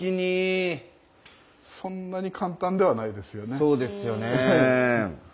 そうですよね。